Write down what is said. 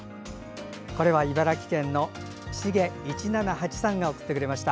茨城県のしげ１７８さんが送ってくださいました。